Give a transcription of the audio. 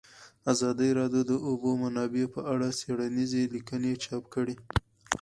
ازادي راډیو د د اوبو منابع په اړه څېړنیزې لیکنې چاپ کړي.